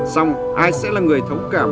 xong ai sẽ là người thống cảm